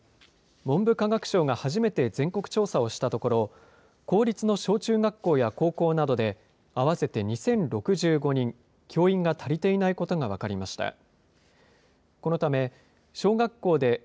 文部科学省が初めて全国調査をしたところ、公立の小中学校や高校などで、合わせて２０６５人、教員が足りていないことが分かりました。